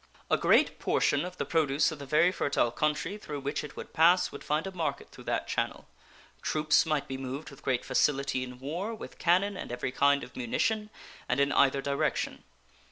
A great portion of the produce of the very fertile country through which it would pass would find a market through that channel. Troops might be moved with great facility in war, with cannon and every kind of munition, and in either direction.